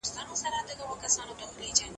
انا وویل چې زما زړه درد کوي.